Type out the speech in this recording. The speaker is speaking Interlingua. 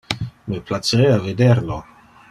Me placerea vider lo.